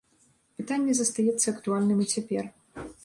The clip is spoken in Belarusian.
Пытанне застаецца актуальным і цяпер.